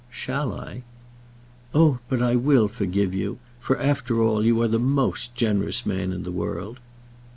"Shall I?" "Oh, but I will forgive you; for after all, you are the most generous man in the world."